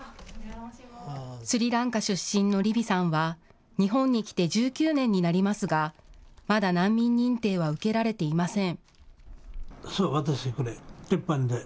スリランカ出身のリヴィさんは日本に来て１９年になりますがまだ難民認定は受けられていません。